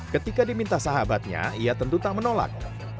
ketika diminta sahabatnya ia tentu tak menolak